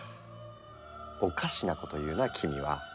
オカシなこと言うな君は！